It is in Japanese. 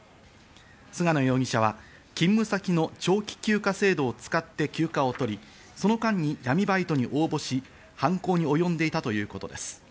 菅野容疑者は勤務先の長期休暇制度を使って休暇をとり、その間に闇バイトに応募し犯行におよんでいたということです。